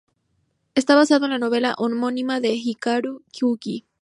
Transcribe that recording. Está basado en la novela homónima de Hikaru Yūki.